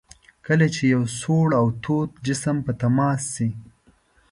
کله چې یو سوړ او تود جسم په تماس شي.